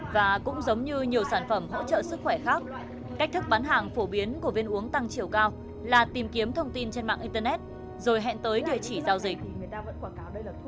và cũng giống như nhiều sản phẩm hỗ trợ sức khỏe khác cách thức bán hàng phổ biến của viên uống tăng chiều cao là tìm kiếm thông tin trên mạng internet rồi hẹn tới địa chỉ giao dịch